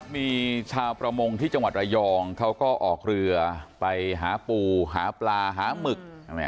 มีชาวประมงที่จังหวัดระยองเขาก็ออกเรือไปหาปูหาปลาหาหมึก